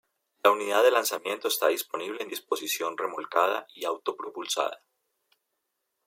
La unidad de lanzamiento está disponible en disposición remolcada y autopropulsada.